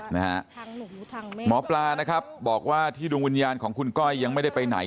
หมอปลานะครับบอกว่าที่ดวงวิญญาณของคุณก้อยยังไม่ได้ไปไหน